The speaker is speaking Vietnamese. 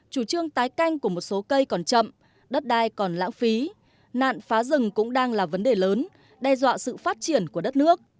chủ trương tái canh của một số cây còn chậm đất đai còn lãng phí nạn phá rừng cũng đang là vấn đề lớn đe dọa sự phát triển của đất nước